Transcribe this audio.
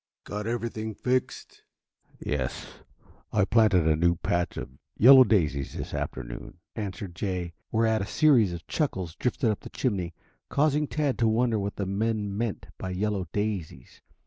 "Got everything fixed?" "Yes. I planted a new patch of yellow daisies this afternoon," answered Jay, whereat a series of chuckles drifted up the chimney, causing Tad to wonder what the men meant by "yellow daisies."